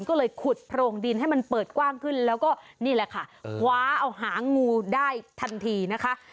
ก็เลยขุดโพรงดินให้มันเปิดกว้างขึ้นแล้วก็นี่แหละค่ะคว้าเอาหางูได้ทันทีนะคะ